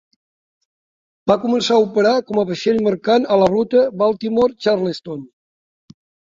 Va començar a operar com a vaixell mercant a la ruta Baltimore - Charleston.